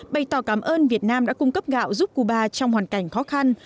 bày tỏ cảm ơn việt nam đã cung cấp gạo giúp cuba trong hoàn cảnh khó khăn